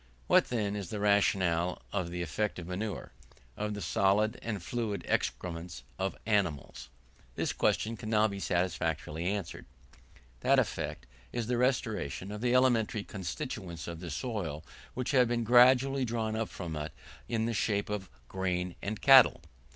What then is the rationale of the effect of manure, of the solid and fluid excrements of animals? This question can now be satisfactorily answered: that effect is the restoration of the elementary constituents of the soil which have been gradually drawn from it in the shape of grain and cattle.